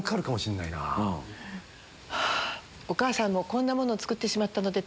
はぁお母さんもこんなものを作ってしまったので。